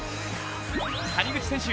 谷口選手